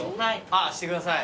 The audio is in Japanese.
ああしてください。